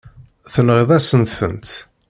Tenɣiḍ-asen-tent.